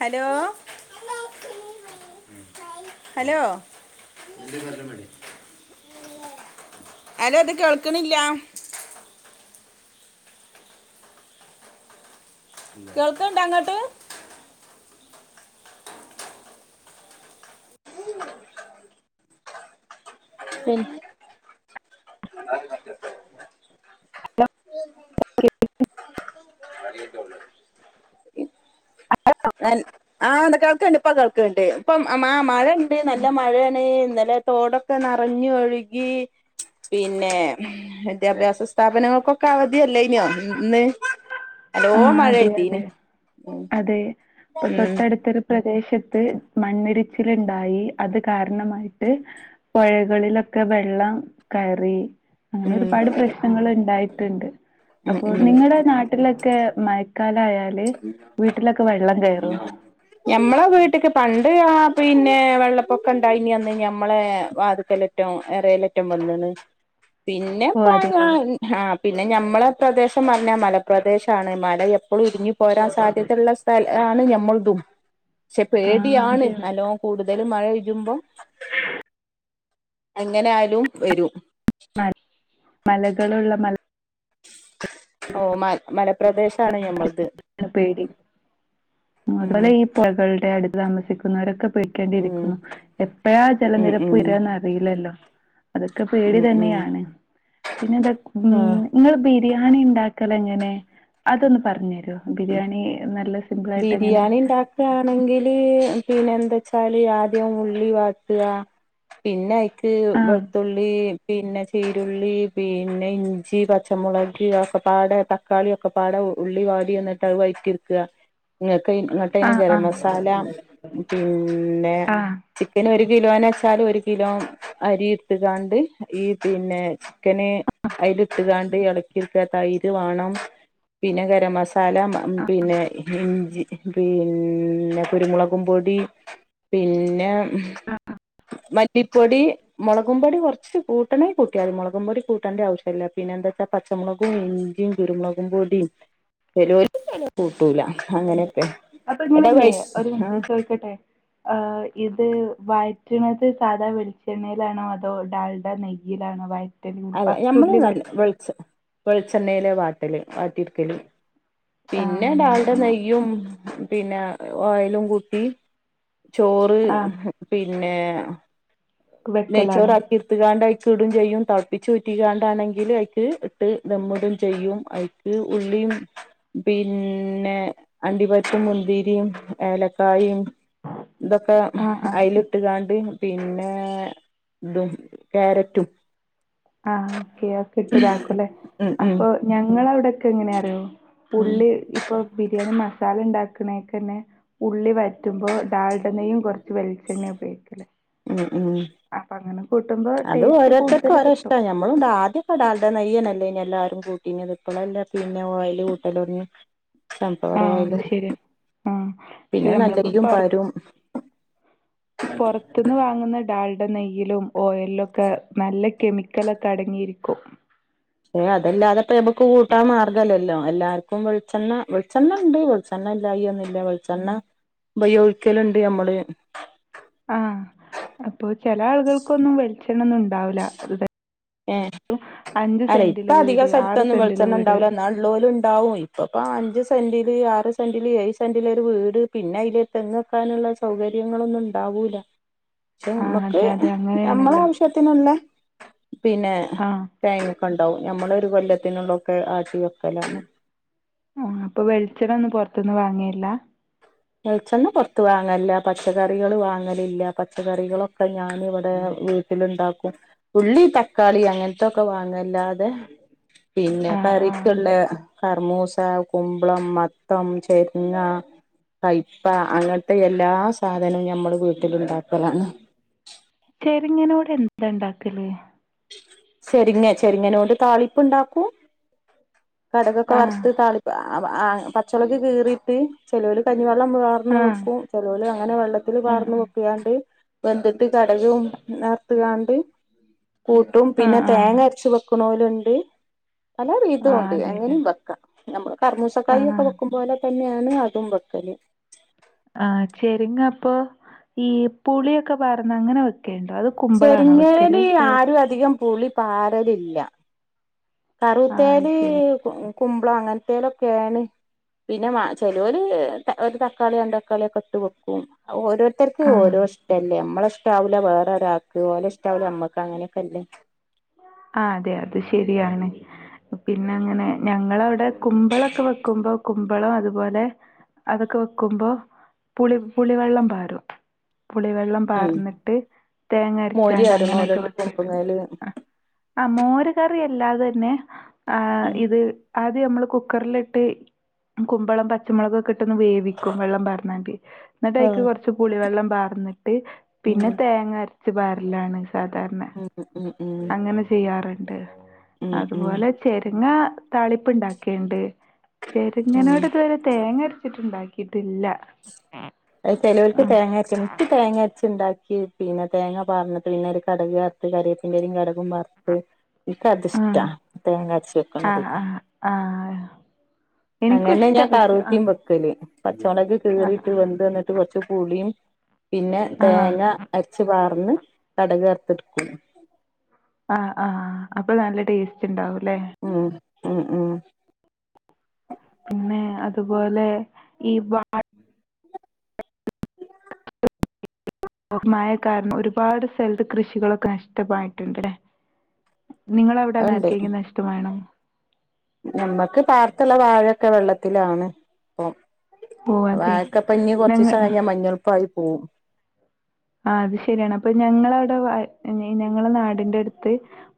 Hello hello hello ഇത് കേൾക്കണില്ല കേൾക്കുന്നുണ്ടാ അങ്ങട്ട് ഉം [inaudible] [unintelligible] ആഹ് എന്താ കേൾക്കണ്ട് ഇപ്പ കേൾക്കണ്ട് ഇപ്പം ആ മഴയുണ്ട് നല്ല മഴയാണ് ഇന്നലെ തോടൊക്കെ നറഞ്ഞ് ഒഴുകി പിന്നെ വിദ്യാഭ്യാസ സ്ഥാപനങ്ങക്കൊക്കെ അവധിയല്ലേനോ ഇന്ന് ആ നല്ലോം മഴ അതെ പെയ്തീന് അതെ ഉം അതെ ഇപ്പൊ ഉം തൊട്ടടുത്തൊരു പ്രദേശത്ത് മണ്ണിടിച്ചിലിണ്ടായി അത് കാരണമായിട്ട് പൊഴകളിലൊക്കെ വെള്ളം കയറി ഉം അങ്ങനൊരുപാട് പ്രശ്നങ്ങളിണ്ടായിട്ടുണ്ട് ഉം അപ്പൊ ഉം നിങ്ങടെ നാട്ടിലൊക്കെ മഴ ക്കാലായല് വീട്ടിലൊക്കെ വെള്ളം കയറുവോ ഞമ്മളെ വീട്ടക്ക് പണ്ട് ആ പിന്നെ വെള്ളപ്പൊക്കണ്ടായിനി അന്ന് ഞമ്മളെ വാതിക്കലാ യിട്ടും എറേലറ്റം വന്നേണ് പിന്നെ ഓ ഇപ്പം അതെയോ ഞാൻ ആഹ് പിന്നെ ഞമ്മളെ പ്രദേശം പറഞ്ഞാ മലപ്രദേശാണ് മല എപ്പളും ഇടിഞ്ഞ് പോരാൻ സാധ്യതയുള്ള സ്ഥലാണ് ഞമ്മൾതും പക്ഷെ ആ പേടിയാണ് അതെയോ നല്ലോം കൂടുതല് മഴ പെയ്യുമ്പം എങ്ങനെ ആയാലും വരും മ മലകളുള്ള മൽ ഓ മൽ മലപ്രദേശാണ് ഞമ്മൾത് പേടി ഉം പൊഴകളുടെ അടുത്ത് താമസിക്കുന്നവരൊക്കെ പേ ഉം ക്കേണ്ടിയിരിക്കുന്നു എപ്പഴാ ഉം ജലനിരപ്പ് ഉം ഉയരാന്നറിയില്ലല്ലോ അതൊക്കെ ഉം പേടി ഉം തന്നെയാണ് പിന്നെന്താ ഉം ആഹ് ഇങ്ങള് ബിരിയാണി ഉണ്ടാക്കലെങ്ങനെ അതൊന്ന് പറഞ്ഞ് തരുവോ ബിരിയാണി നല്ല സിമ്പിൾ ആയിട്ട് എങ്ങനെ ബിരിയാണി ഉണ്ടാ ക്കാണെങ്കില് പിന്നെന്തച്ചാല് ആദ്യം ഉള്ളി വാട്ടുക പിന്നെ അയിക്ക് ആ വെളുത്തുള്ളീ പിന്നെ ചീരുള്ളി പിന്നെ ഇഞ്ചി പച്ചമുളക് അയൊക്കെപ്പാടെ ത തക്കാളി ഒക്കെപ്പാടെ ഉള്ളി വാടി എന്നിട്ട് അത് വയറ്റി എടുക്കുക എന്നിട്ട് അയിൻ ആ എന്നിട്ടങ്ങട്ടയിന് ആ ഗരം മസാല പിന്നെ ആ ചിക്കന് ഒരു കിലോന്ന് വച്ചാല് ഒരു കിലോ അരിയിട്ട് കാണ്ട് ഈ പിന്നെ ചിക്കന് അയിലിട്ട്കാണ്ട് ഇളക്കിയെടുക്കുക തൈര് വാണം പിന്നെ ഗരം മസാ സാല പിന്നെ ഇഞ്ചി പിന്നെ കുരുമുളകും പൊടി പിന്നെ മല്ലിപ്പൊടി മുളകും പൊടി കുറച്ച് കൂട്ടണേ കൂട്ടിയാ മതി മുളകും പൊടി കൂട്ടേണ്ട ആവശ്യം ഇല്ല പിന്നെ എന്താ വച്ചാ പച്ചമുളകും ഇഞ്ചിയും കുരുമുളകും പൊടിയും [unintelligible] കൂട്ടൂല ണ്ട് അങ്ങനെയൊക്കെ അപ്പൊ എടാ ഇങ്ങളില്ലേ വൈ ആ അത് ചോദിക്കട്ടെ ആ ഇത് വഴറ്റണുന്നത് സാധാ വെളിച്ചെണ്ണയിലാണോ അതോ ഡാൽഡ നെയ്യിയിലാണോ വ അല്ല ഞമ്മള് നല്ല വെളിച്ചെ വെളിച്ചെണ്ണയിലെ വാട്ടല് വാട്ടിയെക്കല് ആ പിന്നെ ഡാൾട ഞങ്ങ നെയ്യും പിന്നെ ഓയിലും കുട്ടി ചോറ് ആ പിന്നെ നെയ്ച്ചോറ് വെക്കലാണോ കീർത്തുകാണ്ട്ഐക്ക ഇടും ചെയ്യും തളപ്പിച്ച്റ്റി കാണ്ടാണെങ്കിൽ അഐക്ക് ഇട്ട് നമ്മിടും ചെയ്യും അയി ത് ഉള്ളിയും പിന്നെ അണ്ടിപരിപ്പും മുന്തിരിയും ഏലക്കായും ഇതൊക്കെ ആഹ് ആഹ് അയിലിട്ട്കാണ്ട് പിന്നെ ഇതും ക്യാരറ്റും ആ ഓക്കെ അക്കെ ഇട്ട്താക്കും അല്ലേ ഉം ഉം അപ്പൊ ഞങ്ങളവിടെ ക്കെ എങ്ങന അറിയോ ഉം ഉള്ളി ഇപ്പൊ ബിരിയാണി മസാല ഉണ്ടാക്കണേക്കെ ന്നെ ഉള്ളി വഴ് റ്റുമ്പോ ഡാൽഡെണ്ണയും കുറച്ച് വെളിച്ചെണ്ണയും ഉപയോഗിക്കല്ലേ ഉം ഉം അപ്പൊ അങ്ങനെ കൂട്ടുമ്പോ ടേസ്റ്റ് കൂടുതല് കി ആ ഞമ്മളു ണ്ടാ ആദ്യക്കെ ഡാൾഡ നെയ്യന്നെല്ലേ ഇ എല്ലാരും കൂട്ടിനീ ഇപ്പളെല്ലേ പിന്നെ ഓയില് കൂട്ടല് ഒടങ്ങിയെ ആഹ് അത് ശരി ആഹ് പക്ഷെ പിന്നെ നമ്മളിപ്പോ നല്ലരിക്കും പൊറ പാരും പൊറത്തുന്ന് വാങ്ങുന്ന ഡാളുടെ നെയ്യയിലും ഓയലിലൊക്കെ നല്ല കെമിക്കലൊക്കെ അടങ്ങിയിരിക്കും ഏ അതല്ലാതെ പ്പ ഞബക്ക് കൂട്ടാൻ മാർഗല്ലല്ലോ എല്ലാർക്കും വെളെണ്ണ വെണ്ണ ഉണ്ട് ച്ചെണ്ണ ഇല്ലായി ഒന്നില്ല വെളിച്ചെണ്ണ ബയോഗിക്കലുണ്ട് നമ്മള് ആഹ് അപ്പൊ ചെല ആളുകൾക്കൊന്നും വെളിച്ചെണ്ണ ഒന്നും ഉണ്ടാവില്ല അതെ ഏ അല്ല സെന്റില് ഇപ്പ അധിക വീട് ആറ് സ്ഥലത്തൊന്നും സെന്റില് വെളിച്ചെണ്ണ വീട് ഉണ്ടാവില്ല എന്നാ ള്ളോരുണ്ടാവും ഇപ്പപ്പോ അഞ്ച് സെന്റിില് ആറ് സെന്റില് ഏഴ് സെന്റില് ഒരു വീട് പിന്നെ അതില് പ്പ തെങ്ങക്കാനുള്ള സൗകര്യങ്ങളൊന്നും ഉണ്ടാവൂല പക്ഷെ നമ്മുക്ക് നമ്മളെ ആണല്ലേ ആവശ്യത്തിനുള്ള പിന്നെ ആ തേങ്ങക്കെ ഉണ്ടാവും നമ്മളൊ ഒരു കൊല്ലത്തിനുള്ളൊക്കെ ആക്കി വെക്കല ആഹ് അപ്പൊ വെളിച്ചെണ്ണ ഒന്നും പുറത്തൊന്ന് വാങ്ങിയല്ല വെളിച്ചണ്ണ പുത്ത് വാങ്ങലില്ല പച്ചക്കറികൾ വാങ്ങലില്ല പച്ചക്കറികളൊക്കെ ഞാനിവിടെ ക്കലുണ്ടാക്കും ഉള്ളി തക്കാളി അങ്ങനത്തൊക്കെ വാങ്ങല്ലാതെ പിന്നെ ആ ആ കറിക്കുള്ള കറുമൂസ കുമ്പളം മത്തം ചെരിങ്ങ കൈപ്പ അങ്ങനത്തെ എല്ലാ സാധനവും ഞമ്മളു വീട്ടില് ഉണ്ടാക്കലാണ് ചെരിങ്ങനൂര് എന്താ ഉണ്ടാക്കല് ചെരിങ്ങ ചെരിങ്ങനൂ കൊണ്ട് താളിപ്പ് ഉണ്ടാക്കൂ കടുകൊക്കെ ആ വറുത്ത് താളി ആ പച്ചളുക് കീറിയിട്ട് ചെലോര് കഞ്ഞിവെള്ളം വാർന്ന് ആ വെക്കും ചെലോര് അങ്ങനെ വെള്ളത്തിൽ ആ വാർന്ന് വെക്കിയാണ്ട് വെന്തിട്ട് കടുകും നാർത്തുകാണ്ട് കൂട്ടും ആ പിന്നെ ആ തേങ്ങ അരച്ച് ക്കുണോലുണ്ട് പല രീതി ആ കൊണ്ട് അതെല്ലേ ക്കാം നമ്മള് ആ കറുമൂസക്കായ ഒക്കെ വെക്കും പോലെ തന്നെയാണ് അതും വെക്കല് ആഹ് ച്ചെരിങ്ങ അപ്പൊ ഈ പുളിയൊക്കെ പർന്ന് അങ്ങനെ വെക്കണ്ടോ അത് കുമ്പളാണോ ച്ചെരിങ്ങേല് വെക്കല് ഏത് ആരും അധികം പുളി പാറലില്ല ആ അത് കറുത്തേല് ശരി കുമ്പളം അങ്ങനത്തേലൊക്കെയാണ് പിന്നെ മാ ചെലോര് ഒരു തക്കാളി രണ്ട് തക്കാളി ഒക്കെ ഇട്ട് വെക്കും അ ഓരോരു ത്തർക്ക് ആ ഓരോ ഇഷ്ടല്ലേ നമ്മള ഇഷ്ടാവില്ല വേറെ ഒരാക്ക് ഓലോ ഇഷ്ടാവില്ല നമ്മക്ക് അങ്ങനക്കെയല്ലേ അങ്ങനെയൊക്കെല്ലേ ആ അതെ അതെ ശെരിയാണ് പിന്നെ അങ്ങനെ ഞങ്ങളവിടെ കുമ്പളൊക്കെ വെക്കുമ്പോ കുമ്പളം അതുപോലെ അതൊക്കെ വെക്കുമ്പോ പുളി പുളിവെള്ളം പാരും പുളിവെ വെള്ളം ഉം പാർന്നിട്ട് തേങ്ങരച്ചാണ്ട് അങ്ങനൊക്കെ വെക്കെണ്ട് നല്ലത് ആ മോര് കറി അല്ലാതെ തന്നെ ആഹ് ഇത് ആദ്യ നമ്മള് കുക്കറിലിട്ട് കുമ്പളം പച്ചമുളകെക്കെ ഇ ഇട്ടൊന്ന് വേവിക്കും വെള്ളം പാർന്നാണ്ട് ഇന്ന്ട്ടയിക്ക് ആഹ് കൊറച്ച് പുളിവെള്ളം പാർന്ന്ട്ട് ഉം പിന്നെ തേങ്ങ അരച്ച് പാരലാണ് സാധാരണ ഉം ഉം ഉം അങ്ങനെ ചെയ്യാറ്ണ്ട്. ഉം ഉം അതുപോലെ ചെരങ്ങാ താളിപ്പ് ഇണ്ടാക്കേണ്ട് ചെരങ്ങനോട് ഉം ഇതുവരെ തേങ്ങ അരച്ചിട്ട് ഇണ്ടാക്കിട്ടില്ല അഹ് ചെലോല്ക്ക് തേങ്ങര്ച്ചും ഇക്ക് തേങ്ങര് ച്ച്ണ്ടാക്കി പിന്നെ തേങ്ങ പാർന്ന്ട്ട് പിന്നെ ഒരു കടക് വറുത്ത് കരിവേപ്പിന്റെലിം കടുകും പാർ ട്ട് ഇന്ക്കതിഷ്ടാ ആഹ് തേങ്ങ അരച്ച് വെക്ക്ണത് ആഹ് ആഹ് ആഹ് എനിക്കും അങ്ങനെ ഇഷ്ടാ ഞാൻ പക്ഷെ കറൂത്തിം ആഹ് വെ ക്കല് പച്ചമൊളക്ക് ആഹ് കീറിട്ട് വെന്ത് വന്ന്ട്ട് കൊറച്ച് പുളിയും പിന്നെ ആഹ് തേങ്ങ അരച്ച് പാർന്ന് കടക് വർത്ത്ട്ക്കും ആഹ് ആഹ് അപ്പം നല്ല ടേസ്റ്റ്ണ്ടാവുല്ലേ ഉം ഉം ഉം പിന്നെ അതുപോലെ ഈ [unintelligible] ഓഹ് മഴ കാരണം ഒരുപാട് സല്ത്ത് കൃഷികളൊക്കെ നഷ്ടമായിട്ട്ണ്ട്ല്ലേ നിങ്ങളവിടെ അങ്ങനെ ആർക്കേലും നഷ്ടമായിണോ ഞമ്മക്ക് പാട്ത്ത്ള്ളെ വാഴൊക്കെ വെള്ളത്തിലാണ് ഇപ്പം ഓഹ് അതെയോ വാഴക്കപ്പഞ്ഞ് ഞങ്ങ കൊറച്ചീസായാ മഞ്ഞൾപ്പായി പോവും ആഹ് അത് ശരിയാണ് അപ്പൊ ഞങ്ങളവിടെ വാഴ് ഇഞ്ഞ് ഞങ്ങളെ നാടിന്റെട്ത്ത്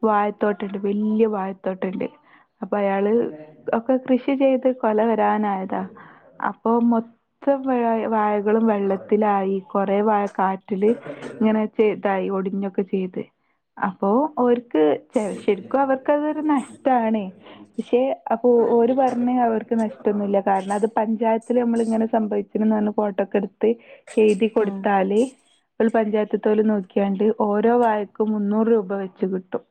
വാഴത്തോട്ടണ്ട് വെല്ല്യ വാഴത്തോട്ടണ്ട് അപ്പ അയാള് ഒക്കെ കൃഷി ചെയ്ത് കൊലവരാനായതാ അപ്പൊ മൊ ത്തം വഴയ വാഴകളും വെള്ളത്തിലായി കൊറേ വാഴ കാറ്റ്ല് ഇങ്ങനെ ചെ ഇതായി ഒടിഞ്ഞൊക്കെ ചെയ്ത് അപ്പോ ഓര് ക്ക് ചെവെ ശരിക്കും അവര്ക്കതൊരു നഷ്ടാണ് പക്ഷെ അപ്പോ ഓര് പറഞ്ഞ് അവർക്ക് നഷ്ടൊന്നുല്ല കാരണം അത് പഞ്ചായത്തില് ഞമ്മള് ഇങ്ങനെ സംഭവി ച്ച്ണ്ന്നർഞ്ഞ് ഫോട്ടൊക്കെട്ത്ത് എഴുതി ഉം കൊടുത്താല് ഫുൾ പഞ്ചായത്ത്ത്തോല് നോക്കിയാണ്ട് ഓരോ വാഴക്കും മുന്നൂറ് രൂപ വെച്ച് കിട്ടും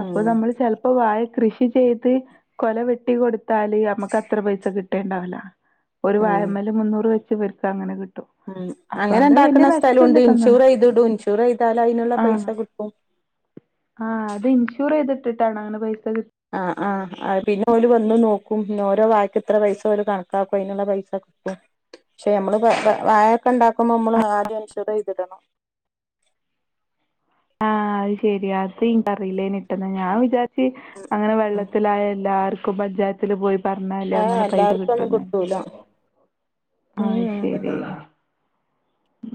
അപ്പം ഉം ഞമ്മള് ചെല്പ്പം വാഴകൃഷി ചെയ് ത് കൊല വെട്ടി കൊട്ത്താല് അമ്മക്കത്ര പൈസ കിട്ടേണ്ടാവൂല്ല ഒരു ഉം വാഴമ്മല് മുന്നൂറ് വെച്ച് ഇവര്ക്കങ്ങനെ കിട്ടും ഉം അപ്പൊ അങ്ങനെ അവിടെ വല്യ ഇണ്ടാക്ക്ണ സ്ഥലുണ്ട് നഷ്ടല്ല തോന്ന്ണ്. ഇൻഷൂറെയ്ത്ടും ഇൻഷൂറെയ്താല് അയിന്ള്ള പൈസ ആഹ് കിട്ടും ആഹ് അത് ഇൻഷൂറെയ്ത്ട്ട്ട്ടാണോ അങ്ങനെ പൈസ കി ആഹ് ആഹ് അഹ് പിന്നെ ഓല് വന്ന് നോക്കും നോരോ വാഴക്ക് ഇത്ര പൈസ ഓര് കണക്കാക്കും അയിനുള്ള പൈസ ക്കും പക്ഷേ അമ്മള് പ പ വാഴൊക്കെ ഇണ്ടാക്കുമ്പോമ്മള് ആദ്യം ഇൻഷൂറെയ്തിടണം ആഹ് അഹ് ശെരിയാ അത് ഇന്ക്ക് അറിയില്ലേനിട്ടോ ഇന്നാ ഞാൻ വിചാര് ച്ച് അങ്ങനെ വെള്ളത്തിലായ എല്ലാർക്കും പഞ്ചായ ത്തില് പോയി പറ്ണാല് ഏഹ് അങ്ങനെ പൈസ എല്ലാർക്കും ഒന്നും കിട്ടുംഞ്ഞാ കിട്ടൂല ആഹ് അഹ് ഉം ശരി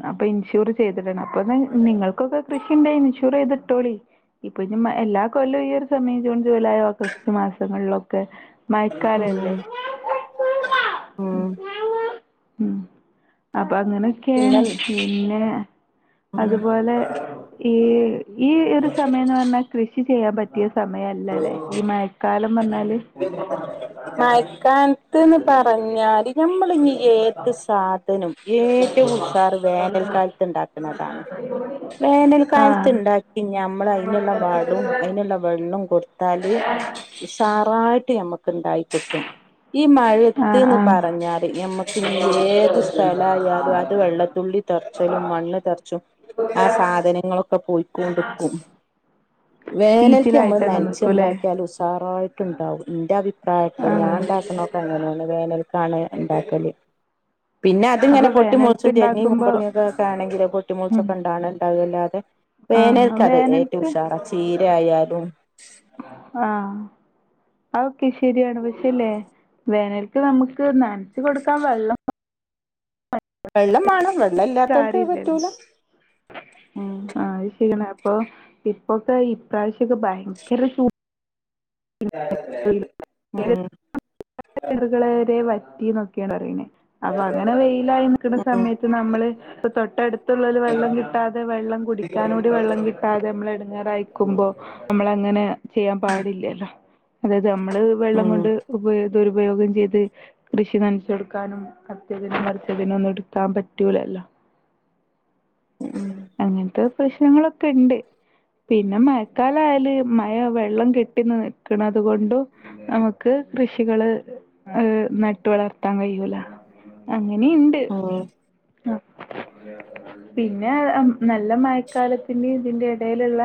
അപ്പെ ഇൻഷൂർ ചെയ്തിടണം അപ്പൊ നി നിങ്ങൾക്കൊക്കെ കൃഷിണ്ടേൽ ഇൻഷൂറെയ്ത്ട്ടോളി ഇപ്പം ഇഞ്ഞ് മഴെ എല്ലാ കൊല്ലും ഈയൊര് സമയം ജൂൺ, ജൂലൈ, ഓഗസ്റ്റ് മാസങ്ങള്ലൊക്കെ ഉം മഴക്കാലല്ലേ ഉം ഉം അപ്പൊ അങ്ങനെ ക്കേണ് പിന്നെ പിന്നെ ഉം അത്പോലെ ഈ ഈ ഒര് സമയന്ന് പറ്ഞ്ഞാ കൃ ഷി ചെയ്യാൻ പറ്റിയ സമയ അല്ലല്ലേ ഈ മഴക്കാലം പർഞ്ഞാല് മഴക്കാല്ത്ത്ന്ന് പറഞ്ഞാല് ഞമ്മള്ഞ്ഞി ഏത് സാ ധനം ഏറ്റവും ഉഷാർ വേനൽക്കാലത്ത് ഇണ്ടാക്ക്ണതാണ് വേനൽക്കാല്ത്ത് ആഹ് ഇണ്ടാ ഈ ഞമ്മളയിന്ള്ള വളും അയിന്ള്ള വെള്ളും കൊടുത്താല് വിഷാറായിട്ട് ഞമ്മക്കന്തൊയി കിട്ടും ഈ ആഹ് മഴത്ത്ന്ന് ആഹ് പറഞ്ഞാല് ഞമ്മക്ക് ഇഞ്ഞ് ഏത് സ്ഥലായാലും അത് വെള്ളത്തുള്ളി തെർച്ചലും മണ്ണ് തെർച്ചും ആ സാധനങ്ങളൊക്കെ പോയി കോണ്ട്ക്കും വേനൽക്ക് ഞമ്മള് ചീച്ചിലായിട്ടൊക്കെ നന്ച്ച് നിക്കൂല്ലേ? ച്ച്ണ്ടാക്കിയാൽ ഉസാറായിട്ട്ണ്ടാവും ഇൻ്റെ അഭിപ്രായാട്ടൊ ഞാൻ ആഹ് ഇണ്ടാക്കണോ അങ്ങനേണ് വേനൽക്കാണ് ഇണ്ടാക്കല് പിന്നെ അപ്പൊ അതിങ്ങനെ പൊട്ടി മൊൾച്ചും ചെരങ്ങി വേനൽക്ക്ണ്ടാക്കുമ്പോ കുമ്പളങ്ങിക്കെ ആണെങ്കില് ഉം പൊട്ടിമൊൾച്ചൊക്കെണ്ടാണെ ഇണ്ടാകണല്ലാതെ ആഹ് വേനൽക്കത് ഏറ്റോം വേനൽക്ക് ഉഷാറാ ചീരയായാലും ആഹ് അത് ഒക്കെ ശെരിയാണ് പക്ഷേ ല്ലേ വേനൽക്ക് നമ്മക്ക് നൻച്ച് കൊടുക്കാൻ വെള്ളം വെള്ളം മാണം വെള്ളം ഇല്ലാത്തോൽക്ക് അത് കാര്യല്ലല്ലോ. പറ്റൂല ഉം അഹ് [unintelligible] ണ് അപ്പൊ ഇപ്പൊക്കെ ഇപ്രാവശ്യൊക്കെ ഭയങ്കര ചൂ ഉം [unintelligible] കെണറ്കള് വരെ വറ്റീന്നൊക്കെയാ പറയണെ അപ്പൊ അങ്ങനെ വെയിലായി നിക്കണ ഉം സമയത്ത് നമ്മള് ഇപ്പൊ തൊട്ടട്ത്തുള്ളോല് വെള്ളം കിട്ടാതെ വെള്ളം കുടിക്കാനൂടി വെള്ളം കിട്ട് ട്ടാതെ ഇമ്മള് എടങ്ങാറയിക്കുമ്പോ അമ്മളങ്ങനെ ചെയ്യാൻ പാടില്ലല്ലോ അതായത് നമ്മള് വെള്ളം ഉം കൊണ്ട് ഉപ് ദുരുപയോഗം ചെയ്ത് കൃഷി നനച്ചൊട്ക്കാനും [unintelligible] മറിച്ചതിനും ഒന്നും ഇട്ക്കാൻ പറ്റൂലല്ലോ അങ്ങൻത്ത് പ്രശ്നങ്ങളൊക്കെ ഇണ്ട് പിന്നെ മയക്കാലായാല് മയ വെള്ളം കെട്ടി നിക്കണത് കൊണ്ടും നമക്ക് കൃഷികള് ഏഹ് നട്ട് വളർ ത്താൻ കയൂല അങ്ങനിം ഇണ്ട് [inaudible] പിന്നെ എം നല്ല മഴക്കാലത്തിന്റെ ഇതിൻ്റെം എടേല്ള്ള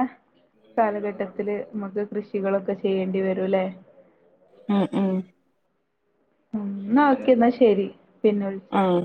കാലഘട്ടത്തില് ഇമ്മക്ക് കൃഷികളൊക്കെ ചെയ്യേണ്ടി വരുല്ലേ ഉം ഉം ഉം ഇന്നാ ഓക്കെ ഇന്നാ ശെരി പിന്നെ വിളിച്ചാ ആഹ്